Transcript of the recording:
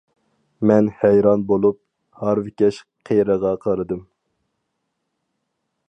مەن ھەيران بولۇپ ھارۋىكەش قىرىغا قارىدىم.